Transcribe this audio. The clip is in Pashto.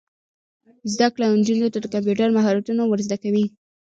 زده کړه نجونو ته د کمپیوټر مهارتونه ور زده کوي.